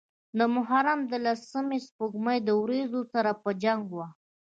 د محرم د لسمې سپوږمۍ د وريځو سره پۀ جنګ وه